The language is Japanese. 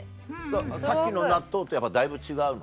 さっきの納豆とやっぱだいぶ違うの？